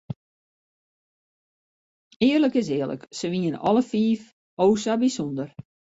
Earlik is earlik, se wienen alle fiif o sa bysûnder.